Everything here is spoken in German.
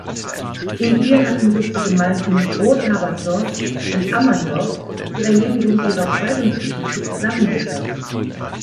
In ihr hatten sich die Gemeinden Großhabersdorf und Ammerndorf zur Erledigung ihrer Verwaltungsgeschäfte zusammengeschlossen.